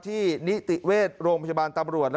นิติเวชโรงพยาบาลตำรวจ